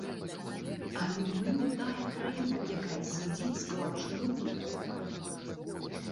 Але мы не тая краіна, якая сядзіць склаўшы рукі.